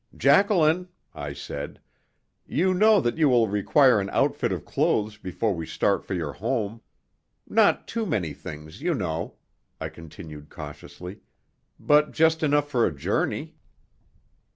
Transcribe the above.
"Jacqueline," I said, "you know that you will require an outfit of clothes before we start for your home. Not too many things, you know," I continued cautiously, "but just enough for a journey."